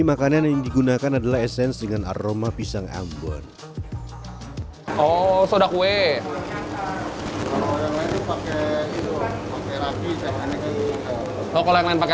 makanan yang digunakan adalah esensi dengan aroma pisang ambon kau soda kue pakai pake